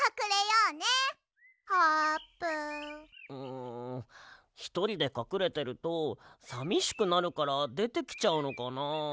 んひとりでかくれてるとさみしくなるからでてきちゃうのかな。